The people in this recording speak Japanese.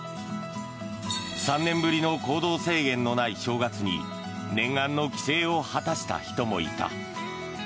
３年ぶりの行動制限のない正月に念願の帰省を果たした人もいた。